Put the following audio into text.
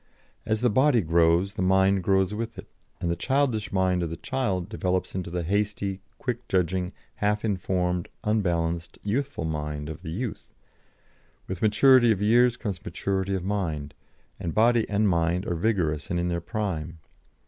As the body grows, the mind grows with it, and the childish mind of the child develops into the hasty, quickly judging, half informed, unbalanced youthful mind of the youth; with maturity of years comes maturity of mind, and body and mind are vigorous and in their prime.